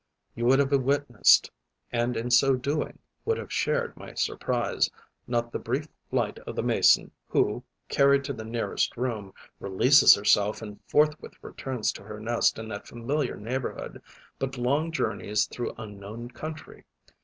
You would have witnessed and in so doing, would have shared my surprise not the brief flight of the Mason who, carried to the nearest room, releases herself and forthwith returns to her nest in that familiar neighbourhood, but long journeys through unknown country.